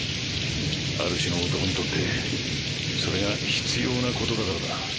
ある種の男にとってそれが必要なことだからだ。